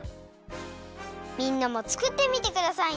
みんなもつくってみてくださいね。